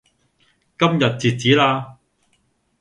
今日截止啦